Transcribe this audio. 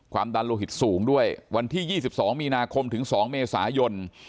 ความดันโลหิตสูงด้วยวันที่ยี่สิบสองมีนาคมถึงสองเมษายน